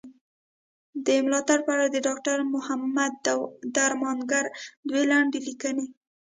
د ملاتړ په اړه د ډاکټر عبدالمحمد درمانګر دوې لنډي ليکني.